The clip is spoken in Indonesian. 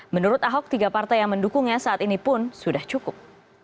menurut ahok tiga partai yang mendukungnya saat ini pun sudah cukup